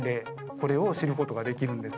これを知ることができるんです。